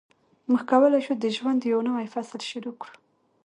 موږ کولای شو د ژوند یو نوی فصل شروع کړو.